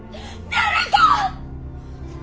誰か！